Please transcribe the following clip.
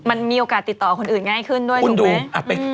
มันมีโอกาสติดต่อคนอื่นง่ายขึ้นด้วยถูกไหม